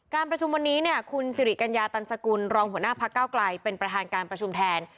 การประชุมวันนี้เนี่ยคุณสิริกัญญาตันสกุลรองหัวหน้าพักเก้าไกลเป็นประธานการประชุมแทน